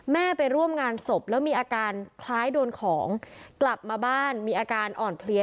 ไปร่วมงานศพแล้วมีอาการคล้ายโดนของกลับมาบ้านมีอาการอ่อนเพลีย